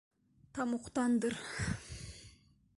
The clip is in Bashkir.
— Тамуҡтандыр.